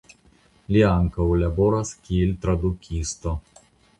Li ankaŭ laboras kiel tradukisto.